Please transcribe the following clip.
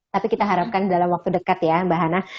tapi kita harapkan dalam waktu dekat ya mbak hana